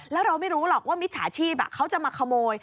แล้วเราไม่รู้หรอกว่ามิจฉาชีพเขาจะมาขโมย